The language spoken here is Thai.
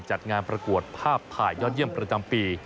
จัดงานประกวดภาพถ่ายยอดเยี่ยมประจำปี